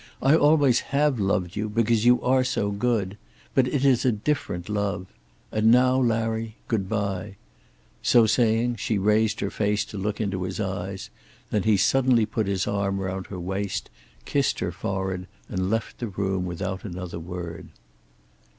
I always have loved you; because you are so good. But it is a different love. And now, Larry, good bye." So saying, she raised her face to look into his eyes. Then he suddenly put his arm round her waist, kissed her forehead, and left the room without another word.